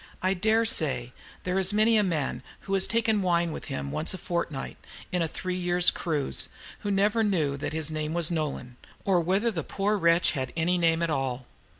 I dare say there is many a man who has taken wine with him once a fortnight, in a three years' cruise, who never knew that his name was "Nolan," or whether the poor wretch had any name at all.